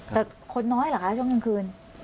แต่คนน้อยเหรอคะช่วงกลางคืน